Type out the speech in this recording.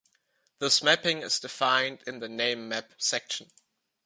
This mapping is defined in the name map section.